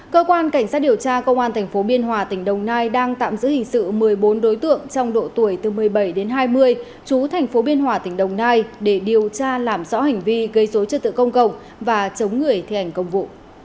cơ quan cảnh sát điều tra công an tp biên hòa tỉnh đồng nai đang tạm giữ hình sự một mươi bốn đối tượng trong độ tuổi từ một mươi bảy đến hai mươi chú thành phố biên hòa tỉnh đồng nai để điều tra làm rõ hành vi gây dối trật tự công cộng và chống người thi hành công vụ